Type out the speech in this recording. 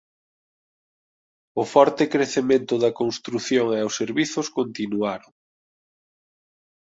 O forte crecemento da construción e os servizos continuaron.